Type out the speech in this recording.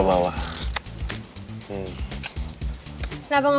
jari jari sumber jyari